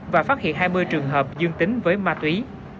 và phát hiện hai mươi trường hợp dương tính với ma túy